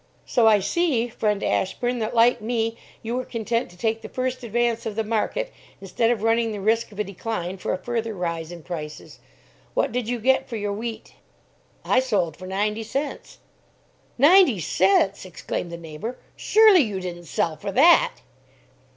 "So I see, friend Ashburn, that, like me, you are content to take the first advance of the market, instead of running the risk of a decline for a further rise in prices. What did you get for your wheat?" "I sold for ninety cents." "Ninety cents!" exclaimed the neighbour. "Surely you didn't sell for that?"